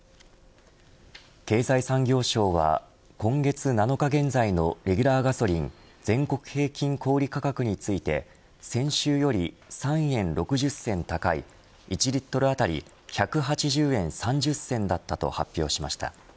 経済産業省は、今月７日現在のレギュラーガソリン全国平均小売価格について先週より３円６０銭高い１リットル当たり１８０円３０銭だったと発表しました。